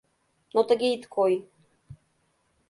Но тыге ит кой.